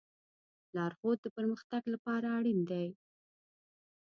لارښود د پرمختګ لپاره اړین دی.